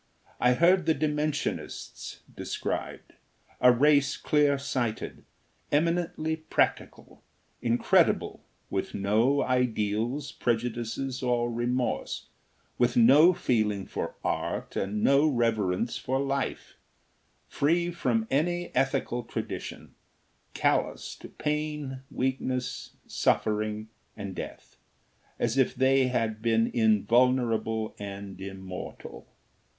I heard the Dimensionists described: a race clear sighted, eminently practical, incredible; with no ideals, prejudices, or remorse; with no feeling for art and no reverence for life; free from any ethical tradition; callous to pain, weakness, suffering and death, as if they had been invulnerable and immortal.